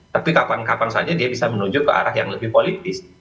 tapi kapan kapan saja dia bisa menuju ke arah yang lebih politis